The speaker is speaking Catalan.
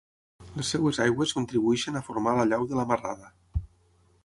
Les seves aigües contribueixen a formar la llau de la Marrada.